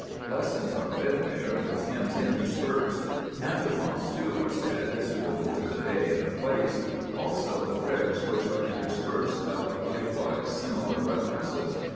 Lessons are read there with hymns inter spersed, antiphons too are said suitable to the day and the place, also the prayers which are interspersed have likewise similar references.